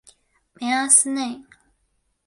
梅阿斯内。